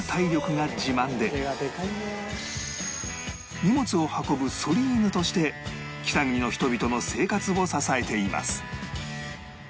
荷物を運ぶそり犬として北国の人々の生活を支えています